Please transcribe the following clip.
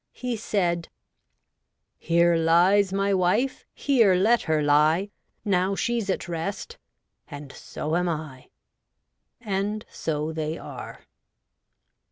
He said —' Here lies my wife ; here let her lie ; Now she's at rest — and so am L' And so they are.